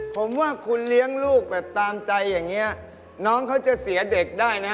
ผมว่าคุณเลี้ยงลูกแบบตามใจอย่างนี้น้องเขาจะเสียเด็กได้นะฮะ